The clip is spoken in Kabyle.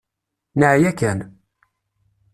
Neεya kan.